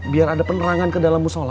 biar ada penerangan ke dalam musola